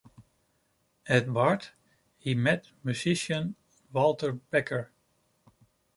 At Bard he met musician Walter Becker.